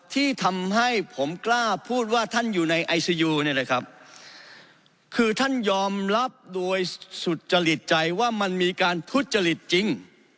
ที่ทำให้ผมกล้าพูดว่าท่านอยู่ในไอซียูเนี่ยนะครับคือท่านยอมรับโดยสุจริตใจว่ามันมีการทุจริตจริง